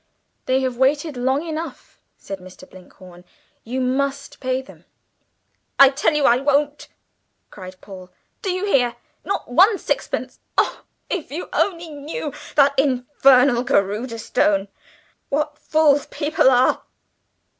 "They have waited long enough," said Mr. Blinkhorn; "you must pay them." "I tell you I won't!" cried Paul; "do you hear? Not one sixpence. Oh, if you knew! That infernal Garudâ Stone! What fools people are!"